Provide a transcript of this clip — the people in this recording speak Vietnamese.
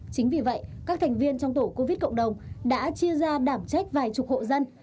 chính vì vậy các thành viên trong tổ covid cộng đồng đã chia ra đảm trách vài chục hộ dân